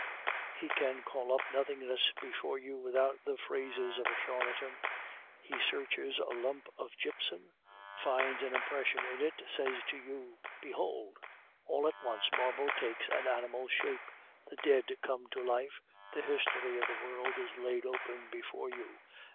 He can call up nothingness before you without the phrases of a charlatan. He searches a lump of gypsum, finds an impression in it, says to you, "Behold!" All at once marble takes an animal shape, the dead come to life, the history of the world is laid open before you.